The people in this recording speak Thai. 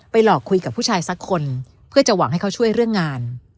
หลอกคุยกับผู้ชายสักคนเพื่อจะหวังให้เขาช่วยเรื่องงาน